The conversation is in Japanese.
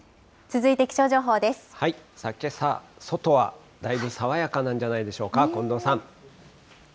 けさ、外はだいぶ爽やかなんじゃないでしょうか、近藤さん。